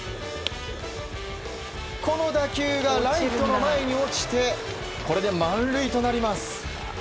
この打球がライトの前に落ちてこれで満塁となります。